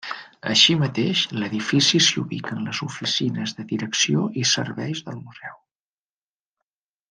Així mateix l'edifici s'hi ubiquen les oficines de direcció i serveis del museu.